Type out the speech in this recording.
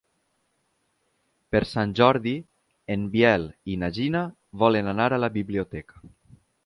Per Sant Jordi en Biel i na Gina volen anar a la biblioteca.